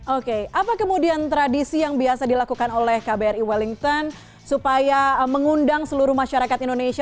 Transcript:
oke apa kemudian tradisi yang biasa dilakukan oleh kbri wellington supaya mengundang seluruh masyarakat indonesia